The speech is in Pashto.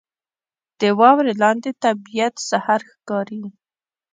• د واورې لاندې طبیعت سحر ښکاري.